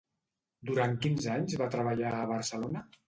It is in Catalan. Durant quins anys va treballar a Barcelona?